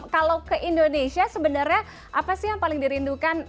kalau ke indonesia sebenarnya apa sih yang paling dirindukan